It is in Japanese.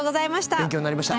勉強になりました。